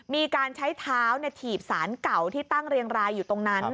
มีการใช้เท้าถีบสารเก่าที่ตั้งเรียงรายอยู่ตรงนั้น